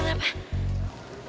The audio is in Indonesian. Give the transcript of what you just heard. danger emang kenapa